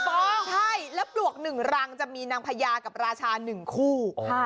ใช่แล้วปลวกหนึ่งรังจะมีนางพยากับราชาหนึ่งคู่